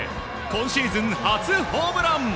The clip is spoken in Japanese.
今シーズン初ホームラン。